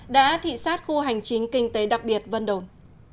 đã thị sát khu hành chính kinh tế đặc biệt vân đồn